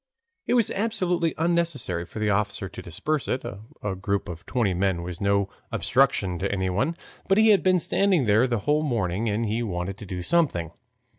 It was absolutely unnecessary for the officer to disperse it. A group of twenty men was no obstruction to anyone, but he had been standing there the whole morning, and he wanted to do something.